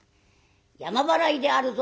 「山払いであるぞ。